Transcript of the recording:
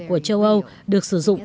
của châu âu được sử dụng